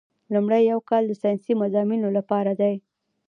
لومړی یو کال د ساینسي مضامینو لپاره دی.